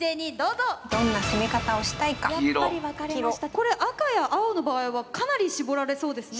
これ赤や青の場合はかなり絞られそうですね。